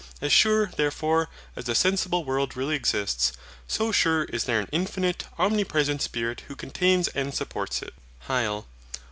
As sure, therefore, as the sensible world really exists, so sure is there an infinite omnipresent Spirit who contains and supports it. HYL.